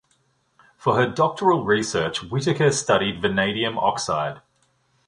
For her doctoral research Whittaker studied vanadium oxide.